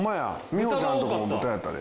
美穂ちゃんとこも豚やったで。